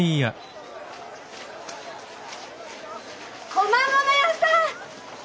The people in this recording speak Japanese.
小間物屋さん！